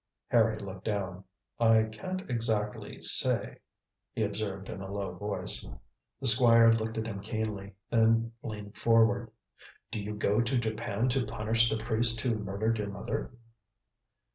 Harry looked down. "I can't exactly say," he observed in a low voice. The Squire looked at him keenly, then leaned forward. "Do you go to Japan to punish the priest who murdered your mother."